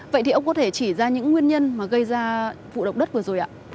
vậy thì ông có thể chỉ ra những nguyên nhân mà gây ra vụ động đất vừa rồi ạ